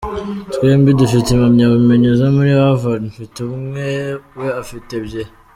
Twembi dufite impamyabumenyi zo muri Harvard, mfite imwe, we afite ebyiri.